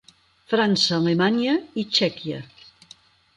França, Alemanya i Txèquia.